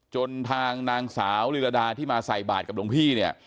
จนทางนางสาวลีรดาที่มาใส่บาทกับหลวงพี่เนี่ย